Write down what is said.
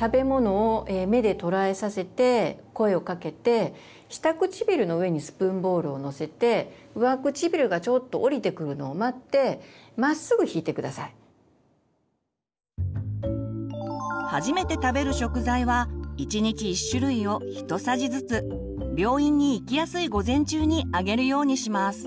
食べ物を目で捉えさせて声をかけて下唇の上にスプーンボールをのせて初めて食べる食材は１日１種類をひとさじずつ病院に行きやすい午前中にあげるようにします。